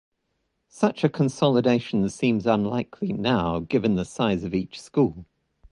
Such a consolidation seems unlikely now, given the size of each school.